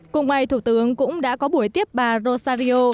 cùng ngày thủ tướng cũng đã có buổi tiếp bà rosario